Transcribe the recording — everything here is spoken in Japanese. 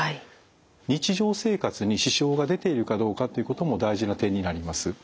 日常生活に支障が出ているかどうかということも大事な点になります。